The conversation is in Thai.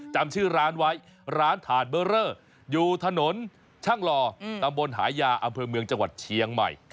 จำชื่อร้านไว้ร้านถาดเบอร์เรออยู่ถนนช่างหล่อตำบลหายาอำเภอเมืองจังหวัดเชียงใหม่